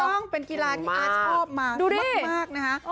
ถูกต้องเป็นกีฬาที่อ้าชอบมามากนะฮะ